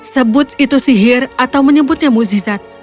sebut itu sihir atau menyebutnya muzizat